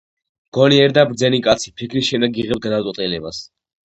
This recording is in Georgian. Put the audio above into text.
გონიერი და ბრძენი კაცი ფიქრის შემდეგ იღებს გადაწყვეტილებას.